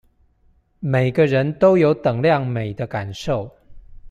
每個人都有等量美的感受